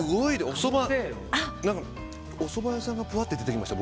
おそば屋さんがぷわって出てきました。